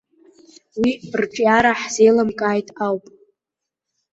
Уи рҿиара ҳзеилымкааит ауп.